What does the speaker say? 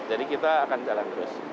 jadi kita akan jalan terus